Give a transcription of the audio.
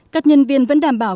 các nhân viên vẫn đảm bảo